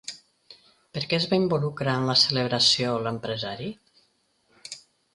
Per què es va involucrar en la celebració l'empresari?